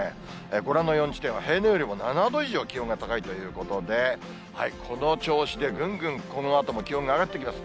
ご覧の４地点は、平年よりも７度以上気温が高いということで、この調子でぐんぐん、このあとも気温が上がっていきます。